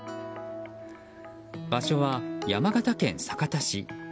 場所は山形県酒田市。